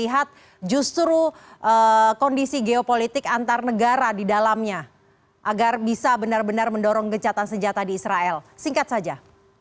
lihat justru kondisi geopolitik antar negara di dalamnya agar bisa benar benar mendorong gecatan senjata di israel singkat saja